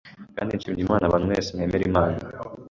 kandi nshimiye Imana abantu mwese mwemera Imana